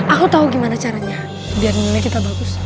aku tau gimana caranya biar nilai kita bagus